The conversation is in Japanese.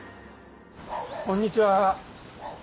こんにちは。